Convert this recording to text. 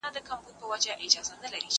زه پرون مېوې وچوم وم!!